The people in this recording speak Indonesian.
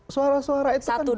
suara suara itu kan